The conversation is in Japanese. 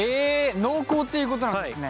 濃厚っていうことなんですね。